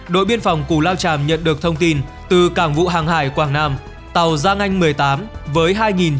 đội biên phòng cù lao tràm nhận được thông tin từ cảng vụ hàng hải quảng nam tàu giang anh một mươi tám với hai